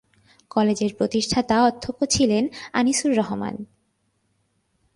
কলেজের প্রতিষ্ঠাতা অধ্যক্ষ ছিলেন আনিসুর রহমান।